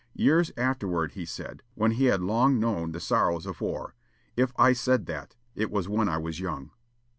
Years afterward, he said, when he had long known the sorrows of war, "If I said that, it was when I was young."